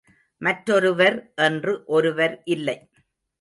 மற்றொருவர் என்று ஒருவர் இல்லை.